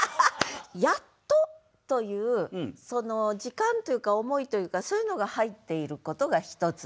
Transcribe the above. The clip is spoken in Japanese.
「やつと」という時間というか思いというかそういうのが入っていることが１つ。